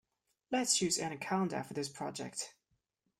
Let's use Anaconda for this project.